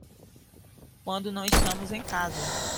Quando não estamos em casa